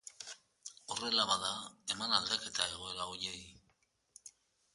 Horrela bada eman aldaketa egoera horiei.